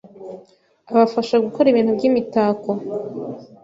abafasha gukora ibintu by’imitako